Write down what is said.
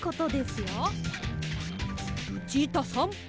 ルチータさん